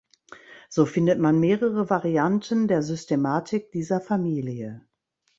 So findet man mehrere Varianten der Systematik dieser Familie.